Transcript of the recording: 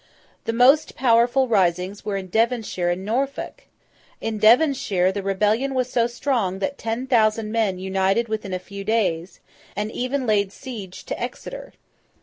The most powerful risings were in Devonshire and Norfolk. In Devonshire, the rebellion was so strong that ten thousand men united within a few days, and even laid siege to Exeter.